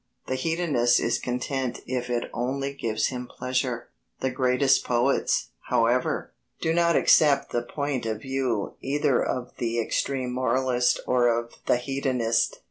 The hedonist is content if it only gives him pleasure. The greatest poets, however, do not accept the point of view either of the extreme moralist or of the hedonist.